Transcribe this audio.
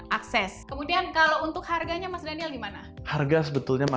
karena flag punya tagel per ulang tahun sedemikian dia sama n surtout saben